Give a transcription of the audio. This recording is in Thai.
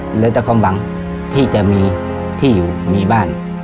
เหลือแต่ความหวังที่จะมีที่อยู่มีบ้าน